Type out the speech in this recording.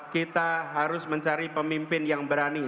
kita harus mencari pemimpin yang berani